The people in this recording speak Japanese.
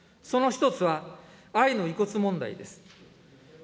その一つは、アイヌ遺骨問題です。